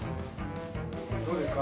どうですか？